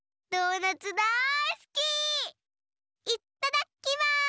いっただっきます！